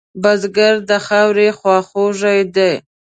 بزګر د خاورې خواخوږی دی